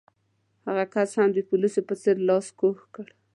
هغه کس هم د پولیس په څېر لاس کوږ کړ.